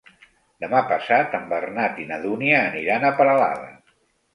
Demà passat en Bernat i na Dúnia aniran a Peralada.